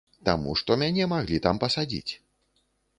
Таму што мяне маглі там пасадзіць.